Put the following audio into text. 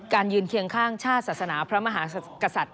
ยืนเคียงข้างชาติศาสนาพระมหากษัตริย